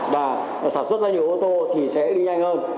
và sản xuất ra nhiều ô tô thì sẽ đi nhanh hơn